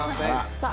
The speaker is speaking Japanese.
さあ